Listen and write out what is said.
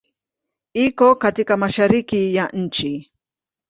Iko katika Mashariki ya nchi.